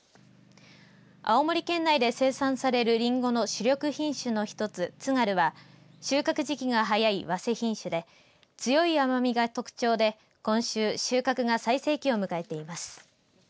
青森県内で生産されるりんごの主力品種の一つつがるは収穫時期が早い早生品種で強い甘みが特徴で今週、収穫が最盛期を迎えています。